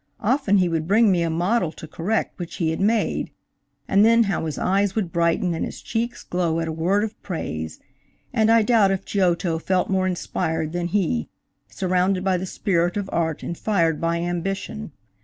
Often he would bring me a model to correct which he had made; and then how his eyes would brighten and his cheeks glow at a word of praise!–and I doubt if Giotto felt more inspired than he, surrounded by the spirit of art and fired by ambition.